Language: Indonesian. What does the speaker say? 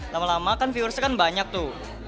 lama lama kan viewersnya kan banyak tuh